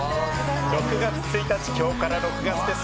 ６月１日、きょうから６月です。